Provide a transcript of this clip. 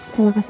terima kasih bu